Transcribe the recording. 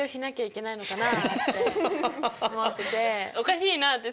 おかしいなって。